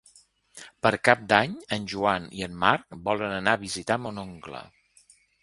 Per Cap d'Any en Joan i en Marc volen anar a visitar mon oncle.